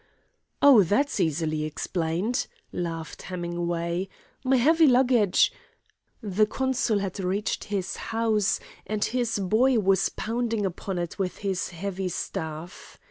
"Oh, that's easily explained," laughed Hemingway. "My heavy luggage " The consul had reached his house and his "boy" was pounding upon it with his heavy staff.